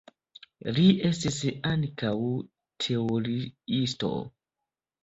Li estis ankaŭ teoriisto.